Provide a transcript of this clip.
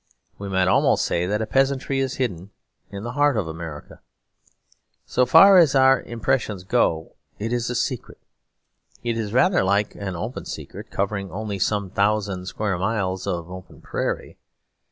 We might almost say that a peasantry is hidden in the heart of America. So far as our impressions go, it is a secret. It is rather an open secret; covering only some thousand square miles of open prairie.